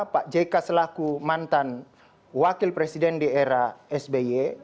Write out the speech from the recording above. pak jk selaku mantan wakil presiden di era sby